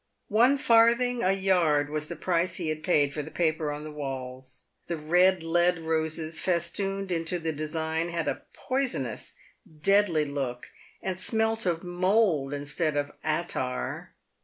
One farthing a yard was the price he had paid for the paper on the walls. The red lead roses fes tooned into the design had a poisonous, deadly look, and smelt of mould instead of attar.